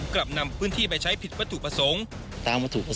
กลับนำพื้นที่ไปใช้ผิดวัตถุประสงค์